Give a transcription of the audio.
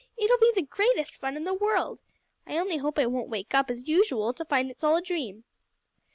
It'll be the greatest fun in the world. I only hope I won't wake up, as usual, to find that it's all a dream!"